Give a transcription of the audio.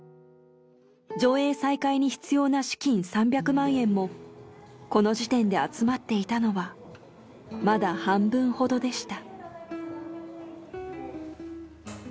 上映再開に必要な資金３００万円もこの時点で集まっていたのはまだ半分ほどでした。